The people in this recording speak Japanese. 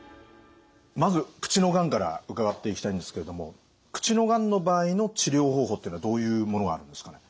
まず口のがんから伺っていきたいんですけれども口のがんの場合の治療方法っていうのはどういうものがあるんですかね？